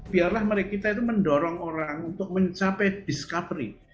biarlah mereka itu mendorong orang untuk mencapai discovery